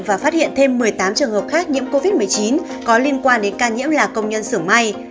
và phát hiện thêm một mươi tám trường hợp khác nhiễm covid một mươi chín có liên quan đến ca nhiễm là công nhân xưởng may